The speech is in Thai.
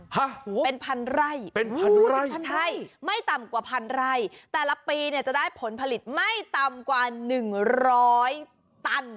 ฮะเป็นพันไร่ไม่ต่ำกว่าพันไร่แต่ละปีจะได้ผลผลิตไม่ต่ำกว่า๑๐๐ตัน